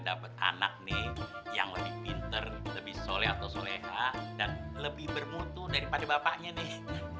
dapat anak nih yang lebih pinter lebih soleh atau soleha dan lebih bermutu daripada bapaknya nih